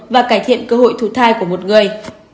và cải thiện cơ hội thu thai của một người